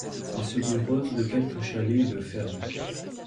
Il se compose de quelques chalets et de fermes.